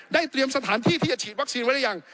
เตรียมสถานที่ที่จะฉีดวัคซีนไว้หรือยัง